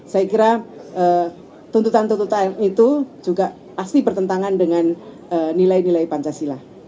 saya kira tuntutan tuntutan itu juga pasti bertentangan dengan nilai nilai pancasila